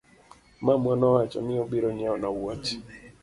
Mamwa nowacho ni obiro nyiewna wuoche .